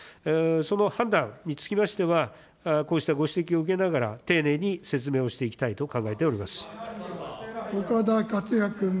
その判断につきましては、こうしたご指摘を受けながら丁寧に説明をしていきたいと考えてお岡田克也君。